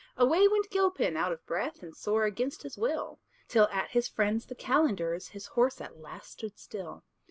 Away went Gilpin, out of breath, And sore against his will, Till at his friend's the calender's His horse at last stood still.